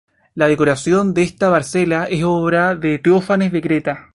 La decoración de esta parcela es obra de Teófanes de Creta.